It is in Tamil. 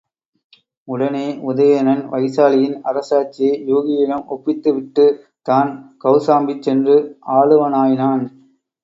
உடனே உதயணன் வைசாலியின் அரசாட்சியை யூகியிடம் ஒப்பித்து விட்டுத் தான் கௌசாம்பி சென்று ஆளுவானாயினான்.